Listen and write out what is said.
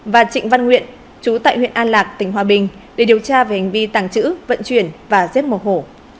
và trịnh văn nguyện chú tại huyện an lạc tỉnh hòa bình để điều tra về hành vi tàng trữ vận chuyển và giết mổ hổ